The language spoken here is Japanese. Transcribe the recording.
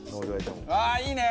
ああいいね！